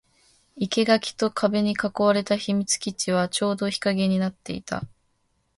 生垣と壁に囲われた秘密基地はちょうど日陰になっていた